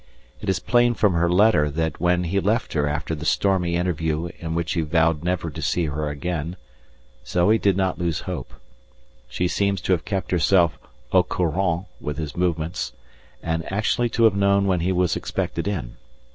It is plain from her letter that when he left her after the stormy interview in which he vowed never to see her again, Zoe did not lose hope. She seems to have kept herself _au courant _with his movements, and actually to have known when he was expected in.